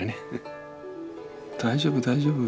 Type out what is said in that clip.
大丈夫大丈夫。